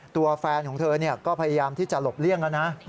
ตัวแฟนของเธอก็พยายามที่จะหลบเลี่ยงแล้วนะ